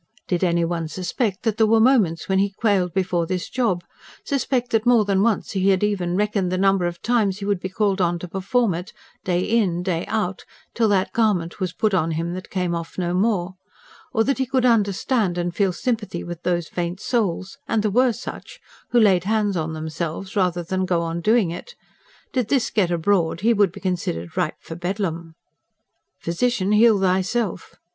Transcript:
Did any one suspect that there were moments when he quailed before this job, suspect that more than once he had even reckoned the number of times he would be called on to perform it, day in, day out, till that garment was put on him that came off no more; or that he could understand and feel sympathy with those faint souls and there were such who laid hands on themselves rather than go on doing it: did this get abroad, he would be considered ripe for Bedlam. Physician, heal thyself!